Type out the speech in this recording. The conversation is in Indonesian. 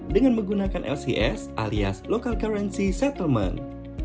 dengan menggunakan lcs alias local currency settlement